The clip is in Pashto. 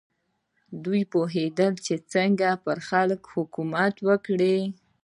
دوی پوهېدل چې څنګه پر خلکو حکومت وکړي.